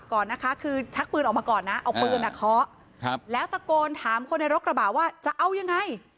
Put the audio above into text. ก่อนนะคะคือชักปืนออกมาก่อนนะเอาปืนอ่ะเคาะแล้วตะโกนถามคนในรถกระบะว่าจะเอายังไง